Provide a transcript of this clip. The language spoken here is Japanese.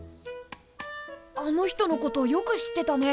あの人のことよく知ってたね。